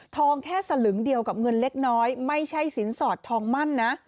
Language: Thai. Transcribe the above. แค่สลึงเดียวกับเงินเล็กน้อยไม่ใช่สินสอดทองมั่นนะ